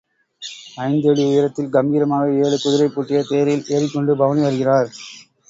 ஐந்து அடி உயரத்தில் கம்பீரமாக ஏழு குதிரை பூட்டிய தேரில் ஏறிக் கொண்டு பவனி வருகிறார்.